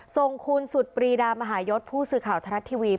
ส่งคุณสุดปรีดามหายศผู้สื่อข่าวทรัฐทีวี